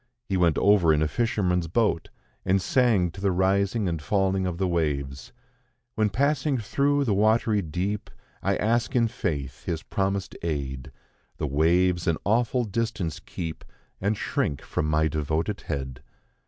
He went over in a fisherman's boat, and sang to the rising and falling of the waves: "When passing through the watery deep, I ask in faith His promised aid; The waves an awful distance keep, And shrink from my devoted head.